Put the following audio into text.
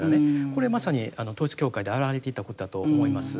これまさに統一教会であらわれていたことだと思います。